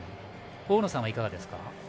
大野さんはいかがですか。